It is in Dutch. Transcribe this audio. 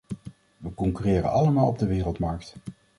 We concurreren allemaal op de wereldmarkt.